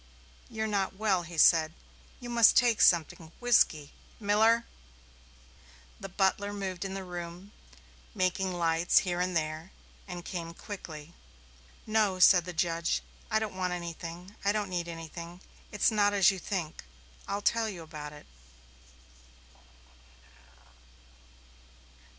"You're not well," he said. "You must take something whiskey Miller " The butler moved in the room making lights here and there, and he came quickly. "No," the judge said. "I don't want anything I don't need anything. It's not as you think. I'll tell you about it."